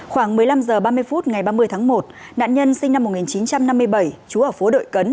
khoảng một mươi năm h ba mươi phút ngày ba mươi tháng một nạn nhân sinh năm một nghìn chín trăm năm mươi bảy trú ở phố đội cấn